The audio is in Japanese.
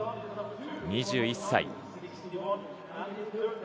２１歳。